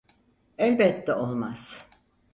Elbette olmaz.